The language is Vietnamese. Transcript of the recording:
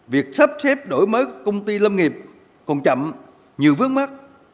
việc sắp xếp đổi mới công ty lâm nghiệp còn chậm nhiều vướng mắt